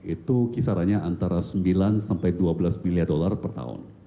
itu kisarannya antara sembilan sampai dua belas miliar dolar per tahun